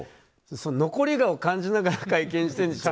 残り香を感じながら会見してるんでしょ？